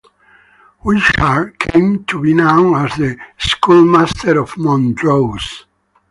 Wishart came to be known as "the Schoolmaster of Montrose".